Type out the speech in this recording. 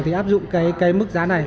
thì áp dụng cái mức giá này